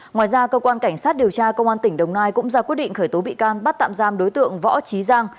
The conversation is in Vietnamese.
ngoài ra cơ quan cảnh sát điều tra công an tỉnh đồng nai cũng ra quyết định khởi tố bị can bắt tạm giam đối tượng võ trí giang